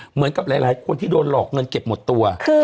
เหมือนกับหลายคนที่โดนหลอกเงินเก็บหมดตัว